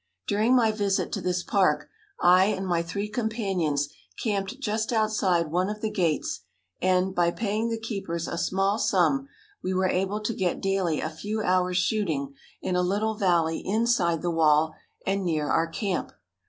During my visit to this park, I and my three companions camped just outside one of the gates, and, by paying the keepers a small sum, we were able to get daily a few hours' shooting in a little valley inside the wall and near our camp.